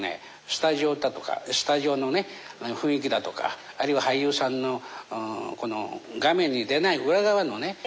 スタジオだとかスタジオの雰囲気だとかあるいは俳優さんの画面に出ない裏側のね